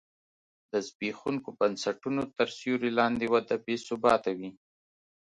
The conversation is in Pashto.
د زبېښونکو بنسټونو تر سیوري لاندې وده بې ثباته وي.